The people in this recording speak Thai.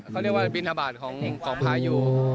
เขาเรียกว่าบิณฑบาทของของพายู